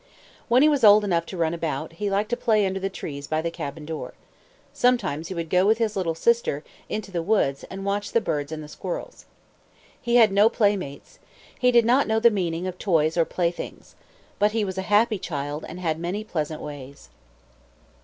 When he was old enough to run about, he liked to play under the trees by the cabin door. Sometimes he would go with his little sister into the woods and watch the birds and the squirrels. He had no playmates. He did not know the meaning of toys or playthings. But he was a happy child and had many pleasant ways.